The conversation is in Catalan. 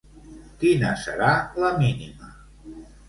Quina serà la mínima?